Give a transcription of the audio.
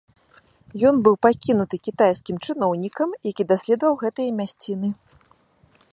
Ён быў пакінуты кітайскім чыноўнікам, які даследаваў гэтыя мясціны.